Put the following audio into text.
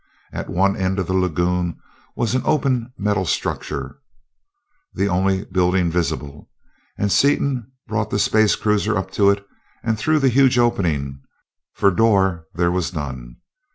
At one end of the lagoon was an open metal structure, the only building visible, and Seaton brought the space cruiser up to it and through the huge opening for door there was none.